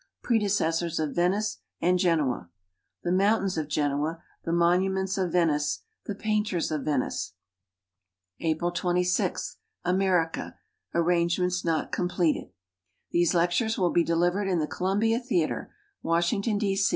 Predecessors of Venice and Genoa. The monuments of Genoa. The monuments of Venice. The painters of Venice. April 26. America. Arrangements not completed. {These lectures will he delivered in the Columbia theater, Washington, D.